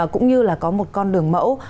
cũng như là có một con đường mẫu